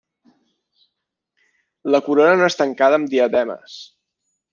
La corona no és tancada amb diademes.